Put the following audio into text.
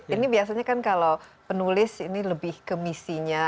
ini biasanya kan kalau penulis ini lebih ke misinya